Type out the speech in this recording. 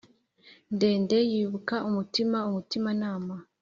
ndende yibuka umutima umutima nama